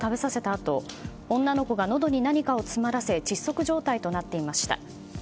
あと女の子がのどに何かを詰まらせ窒息状態となっていました。